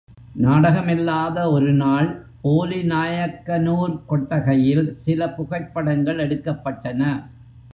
நாடகமில்லாத ஒருநாள், போலிநாயக்கனூர் கொட்டகையில் சில புகைப் படங்கள் எடுக்கப்பட்டன.